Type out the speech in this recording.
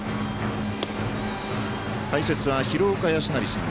解説は廣岡資生さん。